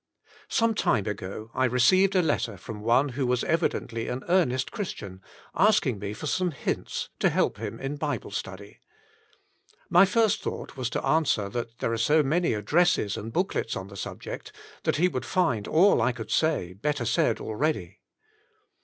Some time ago I received a letter from one who was evidently an earnest Christian, asking me for some hints to help him in Bible study. My first thought was to answer that there are so many ad dresses and booklets on the subject, that he would find all I could say, better said already.